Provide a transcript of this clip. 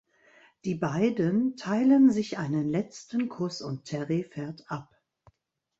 Die beiden teilen sich einen letzten Kuss und Terry fährt ab.